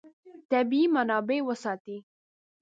طبیعي منابع وساتئ.